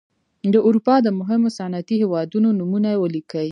د اروپا د مهمو صنعتي هېوادونو نومونه ولیکئ.